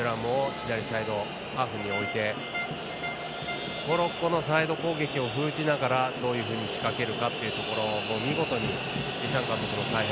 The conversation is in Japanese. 左サイドハーフに置いてモロッコのサイド攻撃を封じながらどういうふうに仕掛けるかというところデシャン監督の采配